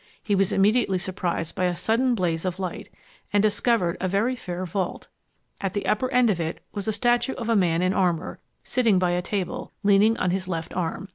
He was immediately surprised by a sudden blaze of light, and discovered a very fair vault. At the upper end of it was a statue of a man in armour, sitting by a table, and leaning on his left arm.